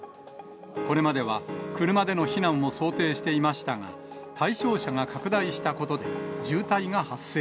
これまでは、車での避難を想定していましたが、対象者が拡大したことで、渋滞が発生。